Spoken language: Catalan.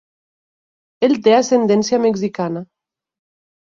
Ell té ascendència mexicana.